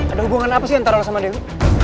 ada hubungan apa sih antara orang sama dewi